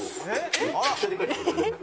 「えっ？」